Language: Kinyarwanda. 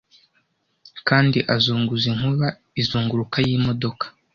Kandi azunguza inkuba izunguruka y'imodoka,